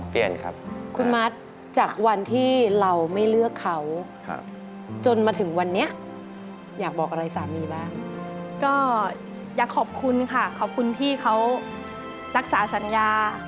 เห็นคุณมัตต์ทำหน้าแปลกน่ะ